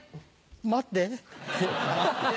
待って。